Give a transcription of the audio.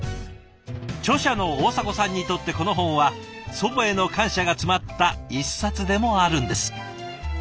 著者の大迫さんにとってこの本は祖母への感謝が詰まった一冊でもあるんです。